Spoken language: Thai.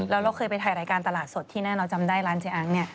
แล้วเราเคยไปถ่ายรายการตลาดสดที่แน่เราจำได้ร้านเจ๊อัง